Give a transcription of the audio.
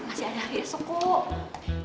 masih ada hari esok kok